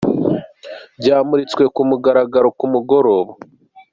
Ryamuritswe ku mugaragaro ku mugoroba.